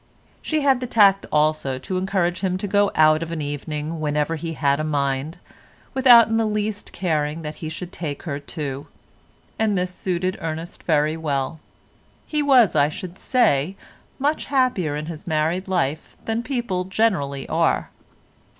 She had the tact also to encourage him to go out of an evening whenever he had a mind, without in the least caring that he should take her too—and this suited Ernest very well. He was, I should say, much happier in his married life than people generally are.